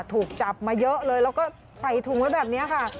ถูกจับมาเยอะเลยแล้วก็ใส่ถุงไว้แบบนี้ค่ะ